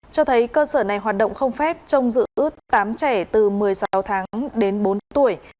cho thấy cơ sở này hoạt động không phép trong dự ước tám trẻ từ một mươi sáu tháng đến bốn tuổi